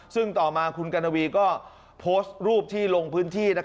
ซึ่งต่อมาคุณกัณวีก็โพสต์รูปที่ลงพื้นที่